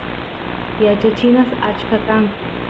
yachachinas achka kanku